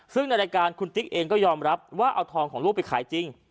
ซึ่งในรายการคุณติ๊กเองก็ยอมรับว่าเอาทองของลูกไปขายจริง